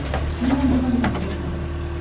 Non é un tema de competencias.